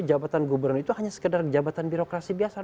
jabatan gubernur itu hanya sekedar jabatan birokrasi biasa